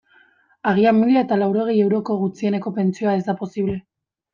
Agian mila eta laurogei euroko gutxieneko pentsioa ez da posible.